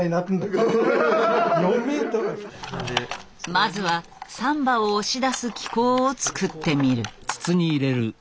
まずは３羽を押し出す機構を作ってみる。